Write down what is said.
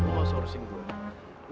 lo nggak usah urusin gue